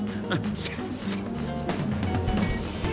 先生。